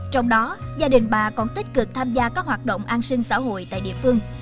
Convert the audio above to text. trong đó gia đình bà còn tích cực tham gia các hoạt động an sinh xã hội tại địa phương